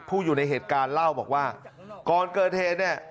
อยู่ในเหตุการณ์เล่าบอกว่าก่อนเกิดเหตุเนี่ย